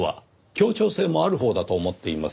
協調性もあるほうだと思っています。